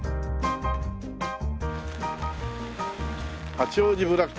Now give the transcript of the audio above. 八王子ブラック。